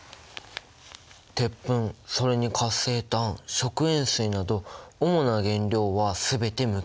鉄粉それに活性炭食塩水など主な原料は全て無機物質。